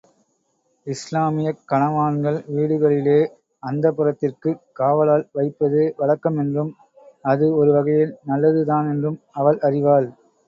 இஸ்லாமியக் கனவான்கள் வீடுகளிலே, அந்தப்புரத்திற்குக் காவலாள் வைப்பது வழக்கமென்றும் அது ஒருவகையில் நல்லதுதானென்றும் அவள் அறிவாள்.